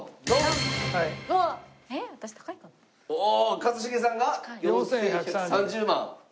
一茂さんが４１３０万。